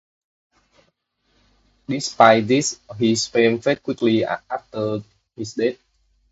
Despite this, his fame faded quickly after his death.